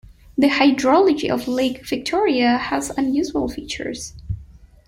The hydrology of Lake Victoria has unusual features.